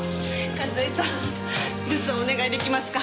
和江さん留守をお願い出来ますか？